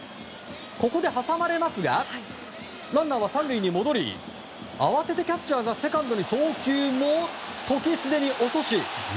ここで挟まれますがランナーは３塁に戻り慌ててキャッチャーがセカンドに送球も、時すでに遅し。